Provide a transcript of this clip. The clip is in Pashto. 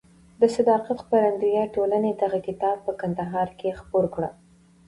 د صداقت خپرندویه ټولنې دغه کتاب په کندهار کې خپور کړ.